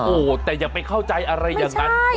โอ้โหแต่อย่าไปเข้าใจอะไรอย่างนั้น